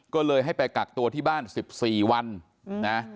ก็เลยให้ไปกักตัวที่บ้าน๑๔วันนะ